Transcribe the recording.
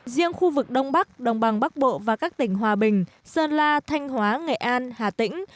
riêng khu vực đông bắc đồng bằng bắc bộ và các tỉnh hòa bình sơn la thanh hóa nghệ an hà tĩnh